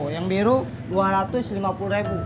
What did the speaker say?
yang biru rp dua ratus lima puluh